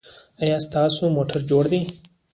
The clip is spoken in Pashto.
ایا ستاسو موټر جوړ دی؟